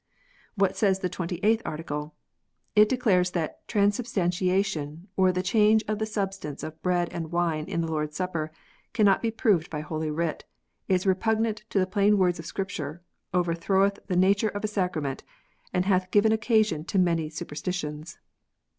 What says ^ the Twenty eighth Article? It declares that " transubstantiation, or the change of the substance of bread and wine in the Lord s Supper, cannot be proved by Holy Writ, is repugnant to the plain words of Scripture, overthroweth the nature of a sacrament, and hath given occasion to many super stitions."